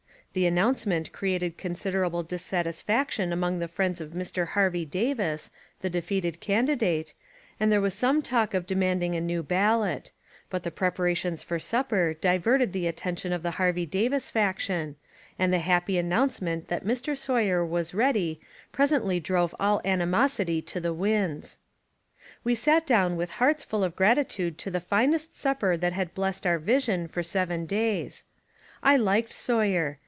The announcement created considerable dissatisfaction among the friends of Mr. Harvey Davis, the defeated candidate, and there was some talk of demanding a new ballot, but the preparations for supper diverted the attention of the Harvey Davis faction, and the happy announcement that Mr. Sawyer was ready presently drove all ani mosity to the winds. We sat down with hearts full of gratitude to the finest supper that had blessed our vision for seven days. I liked Sawyer.